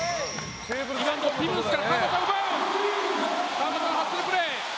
川真田のハッスルプレー。